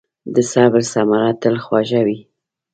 د صبر ثمره تل خوږه وي.